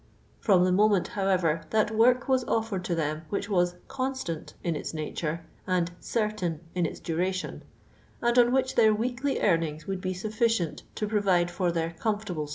Fr jm the moment, however, that work was oftered lu them which w;ui cnn^fant in if.s naf '.re and cfrtain In, its if 'nation, and on which their we«'kly earninLTs would be suHicicnt to pro vide for their comfnrtabli!